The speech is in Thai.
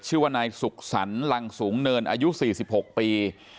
ชื่อว่านายสุขสรรค์ลังสูงเนินอายุ๔๖ปี